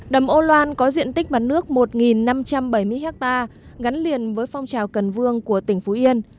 đầm âu loan có diện tích mặt nước một năm trăm bảy mươi ha gắn liền với phong trào cần vương của tỉnh phú yên